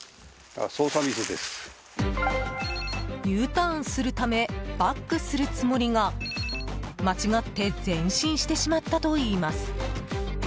Ｕターンするためバックするつもりが間違って前進してしまったといいます。